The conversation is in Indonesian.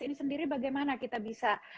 ini sendiri bagaimana kita bisa